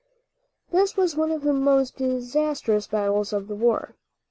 This was one of the most disastrous battles of the war.